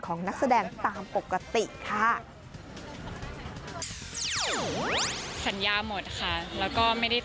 นักแสดงตามปกติค่ะ